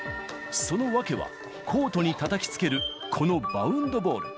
その訳は、コートにたたきつける、このバウンドボール。